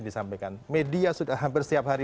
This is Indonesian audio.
disampaikan media sudah hampir setiap hari